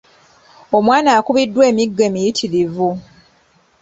Omwana akubiddwa emiggo emiyitirivu.